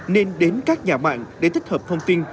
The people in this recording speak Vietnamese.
nên đến các nhà mạng để thích hợp phong phiên